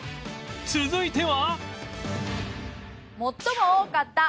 続いては